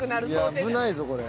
いや危ないぞこれ。